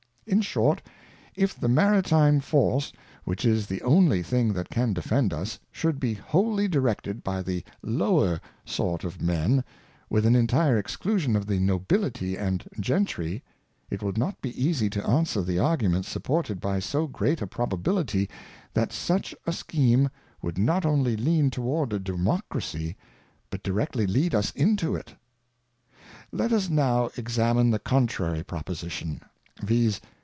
In short, if the Maritime Force, which is the only thing that can defend us, should be wholly directed by the lower sort of Men, with an intire Exclusion of the Nobility and Gentry, it will not be easy to answer the Arguments supported by so great a probability, that such a Scheme would not only lean toward a Democracy, but directly lead us mtojt. Let us now examine the contrary Proposition, viz.